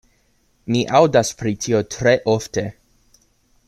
Mi aŭdas pri tio tre ofte.